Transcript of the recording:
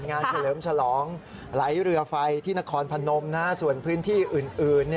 เฉลิมฉลองไหลเรือไฟที่นครพนมส่วนพื้นที่อื่น